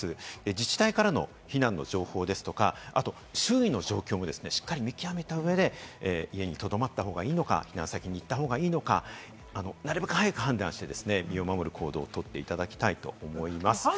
自治体からの避難の情報ですとか、あと周囲の状況もしっかり見極めた上で、家に留まった方がいいのか、避難先に行った方がいいのか、なるべく早く判断して、身を守る行動をとっていただきたいと思います。